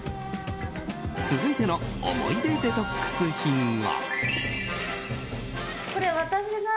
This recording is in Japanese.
続いての思い出デトックス品は。